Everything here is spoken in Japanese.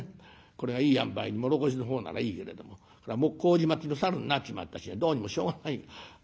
これがいいあんばいに唐土の方ならいいけれども麹町のサルになっちまった日にはどうにもしょうがない。